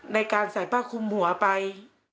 ในการใส่ผ้าคุมหัวไป